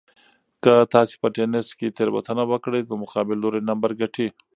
که تاسي په تېنس کې تېروتنه وکړئ نو مقابل لوری نمبر ګټي.